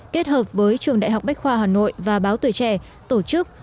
kết hợp với trường đại học bách khoa hà nội và báo tuổi trẻ tổ chức